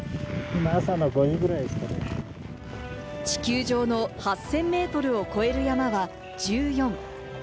地球上の８０００ｍを超える山は１４。